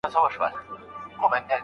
ډېر لوړ ږغ کله پاڼه ړنګوي؟